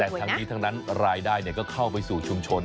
แต่ทั้งนี้ทั้งนั้นรายได้ก็เข้าไปสู่ชุมชน